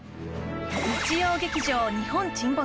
日曜劇場「日本沈没」